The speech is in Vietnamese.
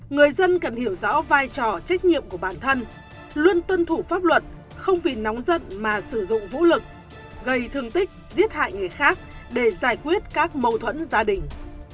người dân cần hiểu rõ vai trò trách nhiệm của bản thân luôn tuân thủ pháp luật không vì nóng giận mà sử dụng vũ lực gây thương tích giết hại người khác để giải quyết các mâu thuẫn gia đình